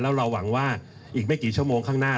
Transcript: แล้วเราหวังว่าอีกไม่กี่ชั่วโมงข้างหน้า